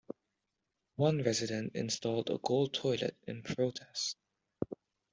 One resident installed a gold toilet in protest.